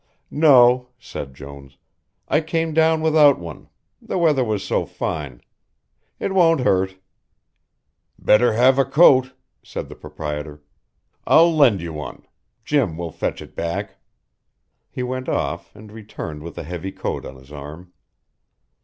"No," said Jones. "I came down without one, the weather was so fine It won't hurt." "Better have a coat," said the proprietor. "I'll lend you one. Jim will fetch it back." He went off, and returned with a heavy coat on his arm.